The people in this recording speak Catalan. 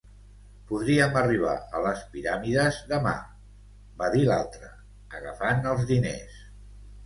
"Podríem arribar a les piràmides demà" va dir l'altre, agafant els diners.